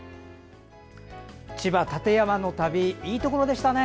千葉・館山の旅いいところでしたね。